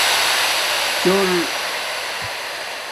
چِݸر